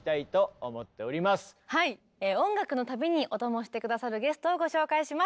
音楽の旅にお供して下さるゲストをご紹介します！